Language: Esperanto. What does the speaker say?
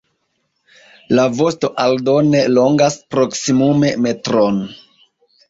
La vosto aldone longas proksimume metron.